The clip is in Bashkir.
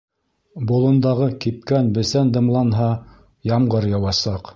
Болондағы кипкән бесән дымланһа, ямғыр яуасаҡ.